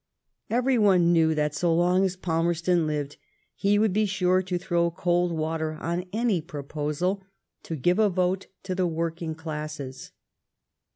Every one knew that so long as Palmerston lived he would be sure to throw cold water on any proposal to give a vote to the working classes.